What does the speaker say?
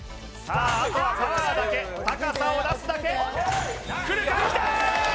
あとはパワーだけ高さを出すだけくるかきたー！